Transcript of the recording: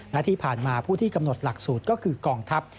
และที่ผ่านมาผู้ที่กำหนดหลักสูตรก็คือกองทัพ